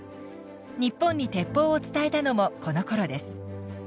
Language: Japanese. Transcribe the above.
日本に鉄砲を伝えたのもこのころです。